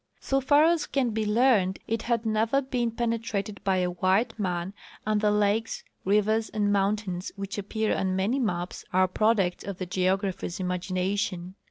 So far as can be learned it had never been penetrated by a Avhite man, and the lakes, rivers and mountains which appear on many maps are products of the geographer's imagination.